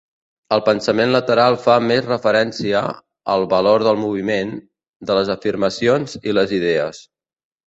El pensament lateral fa més referència al "valor del moviment" de les afirmacions i les idees.